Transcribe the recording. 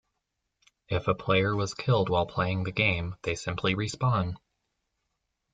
If a player was killed while playing the game, they simply respawn.